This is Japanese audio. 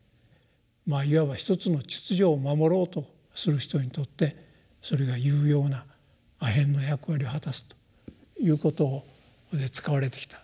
まあいわば一つの秩序を守ろうとする人にとってそれが有用なアヘンの役割を果たすということで使われてきた。